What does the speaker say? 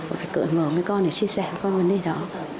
và phải cởi mở với con để chia sẻ với con vấn đề đó